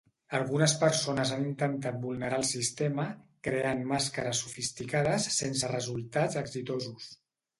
Algunes persones han intentat vulnerar el sistema creant màscares sofisticades sense resultats exitosos.